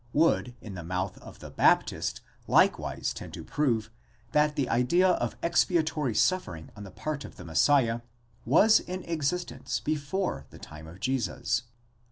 would in the mouth of the Baptist likewise tend to prove, that the idea of expiatory suffering on the part of the Messiah was in existence before the time of Jesus.